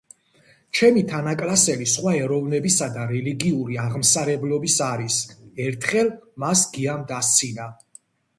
ჩემი თანაკლასელი სხვა ეროვნებისა და რელიგიურ სღმსარებლობის არის არის ერთხელ მას გიამ დასციანა